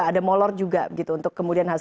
ada molot juga gitu untuk kemudian hasil